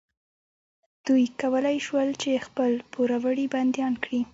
دوی کولی شول چې خپل پوروړي بندیان کړي.